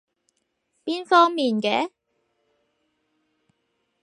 邊方面嘅？